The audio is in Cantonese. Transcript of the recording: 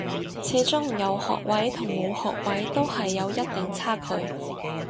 始終有學位同冇學位都係有一定差距